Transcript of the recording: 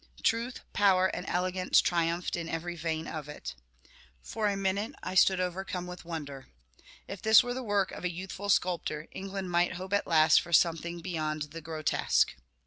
Truth, power, and elegance triumphed in every vein of it. For a minute I stood overcome with wonder. If this were the work of a youthful sculptor, England might hope at last for something beyond the grotesque.